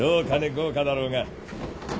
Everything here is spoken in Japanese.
豪華だろうが。